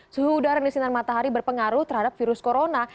suhu udara yang disinar matahari berpengaruh terhadap virus corona